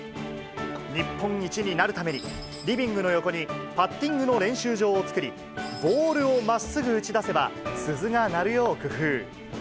日本一になるために、リビングの横にパッティングの練習場を作り、ボールをまっすぐ打ち出せば、鈴が鳴るよう工夫。